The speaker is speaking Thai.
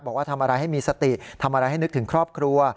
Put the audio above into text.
บอกว่าทำอะไรให้มีสติทำอะไรให้นึกถึงครอบครัว